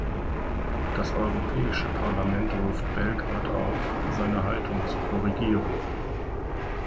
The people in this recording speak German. Das Europäische Parlament ruft Belgrad auf, seine Haltung zu korrigieren.